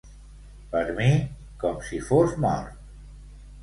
Per mi, com si fos mort.